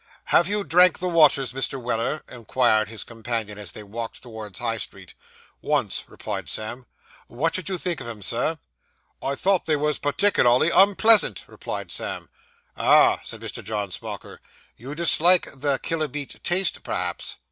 'Have you drank the waters, Mr. Weller?' inquired his companion, as they walked towards High Street. 'Once,' replied Sam. 'What did you think of 'em, Sir?' 'I thought they was particklery unpleasant,' replied Sam. 'Ah,' said Mr. John Smauker, 'you disliked the killibeate taste, perhaps?